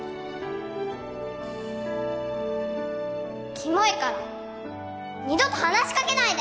キモいから二度と話しかけないで！